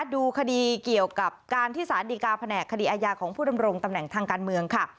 ดูคดีเกี่ยวกับการที่สารดีกาแผนกคดีอาญาของผู้ดำรงตำแหน่งทางการเมืองค่ะ